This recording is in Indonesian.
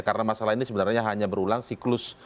karena masalah ini sebenarnya hanya berulang siklus